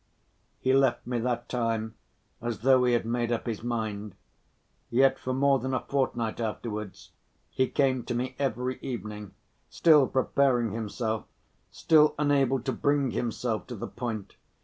He left me that time as though he had made up his mind. Yet for more than a fortnight afterwards, he came to me every evening, still preparing himself, still unable to bring himself to the point.